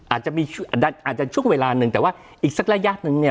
อาจจะมีอาจจะช่วงเวลาหนึ่งแต่ว่าอีกสักระยะหนึ่งเนี่ย